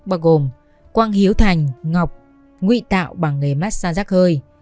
bao gồm quang hiếu thành ngọc nguy tạo bằng nghề massage giác hơi